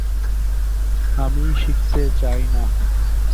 আমি শিখতে চাই না।